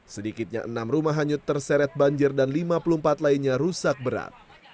sedikitnya enam rumah hanyut terseret banjir dan lima puluh empat lainnya rusak berat